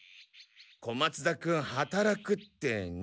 小松田君働くって何をするの？